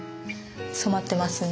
染まってますね。